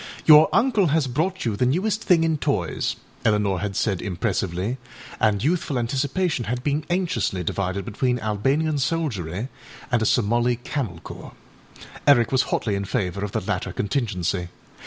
âYour uncle has brought you the newest thing in toys,â Eleanor had said impressively, and youthful anticipation had been anxiously divided between Albanian soldiery and a Somali camel corps. Eric was hotly in favour of the latter contingency.